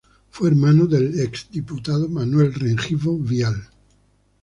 Fue hermano del exdiputado Manuel Rengifo Vial.